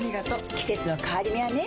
季節の変わり目はねうん。